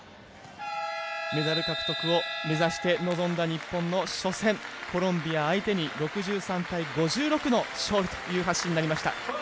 メダル獲得を目指して臨んだ日本の初戦コロンビア相手に６３対５６の勝利という発進になりました。